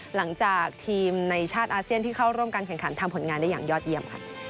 หลังจากทีมในชาติอาเซียนที่เข้าร่วมการแข่งขันทำผลงานได้อย่างยอดเยี่ยม